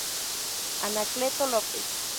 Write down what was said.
Anacleto López.